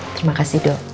terima kasih dok